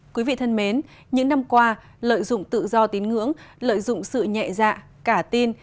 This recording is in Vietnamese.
quý vị thân mến những năm qua lợi dụng tự do tín ngưỡng lợi dụng sự nhẹ dạ cả tin